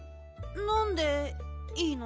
のんでいいの？